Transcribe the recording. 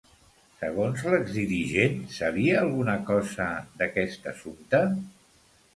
Segons l'exdirigent, sabia alguna cosa d'aquest assumpte?